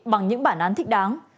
bằng những bản án thích đáng